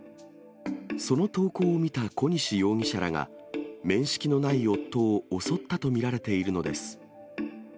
その投稿を見た小西容疑者らが、面識のない夫を襲ったと見られているのです。